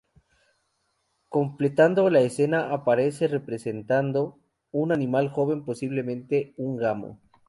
Completando la escena aparece representado un animal joven, posiblemente un gamo.